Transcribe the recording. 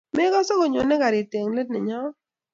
Mekose konyoni karit eng let nenyoo?